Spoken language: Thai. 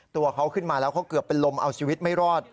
ตัวเขาขึ้นมาแล้วเขาเกือบเป็นลมเอาชีวิตไม่รอด